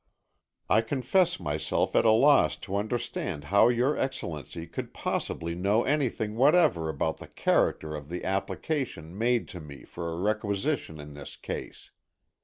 I confess myself at a loss to understand how your Excellency could possibly know anything whatever about the character of the application made to me for a requisition in this case.